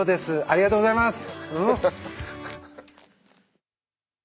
ありがとうございます。